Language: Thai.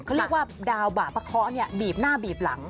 เขาเรียกว่าดาวบาปะเคาะบีบหน้าบีบหลัง